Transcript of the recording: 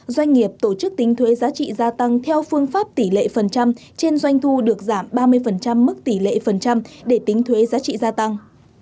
doanh nghiệp tổ chức tính thuế giá trị gia tăng theo phương pháp tỷ lệ phần trăm trên doanh thu được giảm ba mươi mức tỷ lệ phần trăm để tính thuế giá trị gia tăng